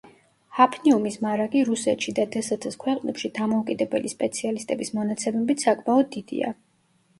ჰაფნიუმის მარაგი რუსეთში და დსთ-ს ქვეყნებში, დამოუკიდებელი სპეციალისტების მონაცემებით საკმაოდ დიდია.